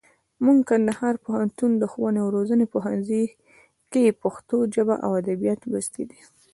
موږ کندهار پوهنتون، ښووني او روزني پوهنځي کښي پښتو ژبه او اودبيات لوستي دي.